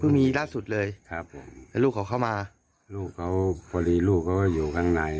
คือมีล่าสุดเลยครับลูกเขาเข้ามาลูกเขาพอดีลูกเขาก็อยู่ข้างใน